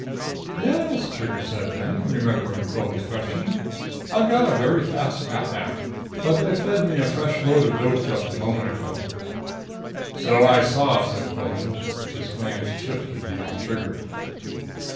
"Yes," Trigger said then, remembering Quillan's question. "I've got a very fast snap back but they fed me a fresh load of dope just a moment ago." "So I saw," said Quillan. His glance shifted beyond Trigger.